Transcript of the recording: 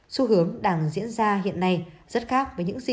xu hướng đang diễn ra hiện nay rất khác với những dưới năm tuổi